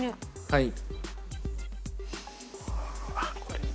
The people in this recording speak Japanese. はい。